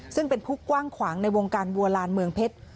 ซึ่งเป็นผู้กว้างขวางในวงการบัวลานเมืองเพชร